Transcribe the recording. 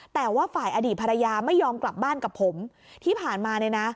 แต่ว่าฝ่ายอดีตภรรยาไม่ยอมกลับบ้านกับผมที่ผ่านมาเนี่ยนะ